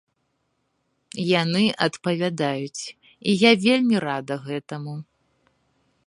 Яны адпавядаюць, і я вельмі рада гэтаму.